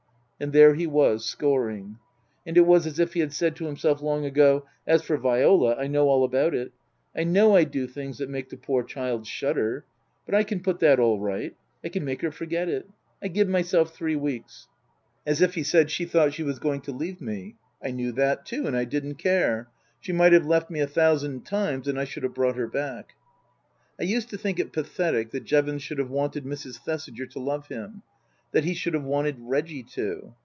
And there he was scoring. And it was as if he had said to himself long ago, " As for Viola, I know all about it. I know I do things that make the poor child shudder ; but I can put that all right. I can make her forget it. I give myself three weeks." As if he said, " She thought she was going to leave me. I knew that, too, and I didn't care. She might have left me a thousand times and I should have brought her back." I used to think it pathetic that Jevons should have wanted Mrs. Thesiger to love him that he should have wanted Reggie to.